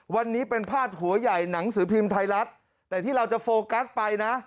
วันนี้เป็นพาดหัวใหญ่หนังสือพิมพ์ไทยรัฐแต่ที่เราจะโฟกัสไปนะ